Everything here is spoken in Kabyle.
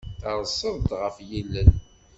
Terseḍ-d ɣef yilel.